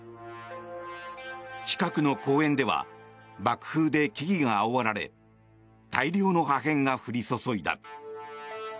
近くの公園では爆風で木々があおられ大量の破片が降り注いだ。